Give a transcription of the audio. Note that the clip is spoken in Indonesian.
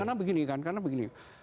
karena begini kan karena begini